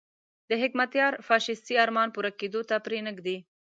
د حکمتیار فاشیستي ارمان پوره کېدو ته پرې نه ږدي.